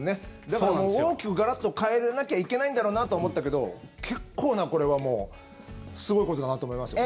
だから、もう大きくガラッと変えなきゃいけないんだろうなと思ったけど結構なこれはもうすごいことだなと思いますよ。